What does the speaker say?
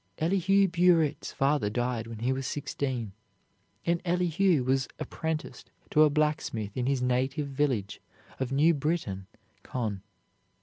Elihu Burritt's father died when he was sixteen, and Elihu was apprenticed to a blacksmith in his native village of New Britain, Conn.